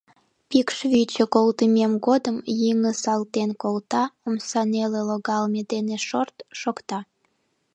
Пикшвӱчӧ колтымем годым йыҥысалтен колта, омса нӧлӧ логалме дене «шорт!» шокта.